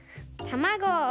たまご！